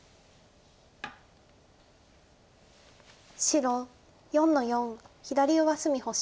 白４の四左上隅星。